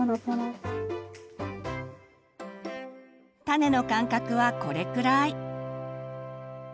種の間隔はこれくらい。